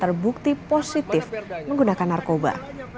terbukti positif menggunakan narkoba